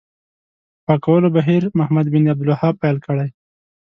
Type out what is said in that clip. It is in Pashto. پاکولو بهیر محمد بن عبدالوهاب پیل کړی.